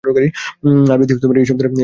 আরবিতে এই শব্দের অর্থ "তিমির মুখ"।